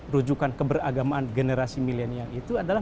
rujukan keberagamaan generasi milenial itu adalah